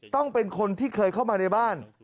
ต้องเป็นคนที่เคยเข้ามาในบ้าน